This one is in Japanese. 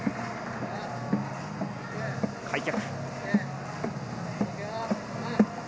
開脚。